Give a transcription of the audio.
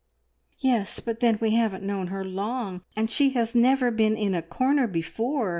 "Yes, but then we haven't known her long, and she has never been in a corner before.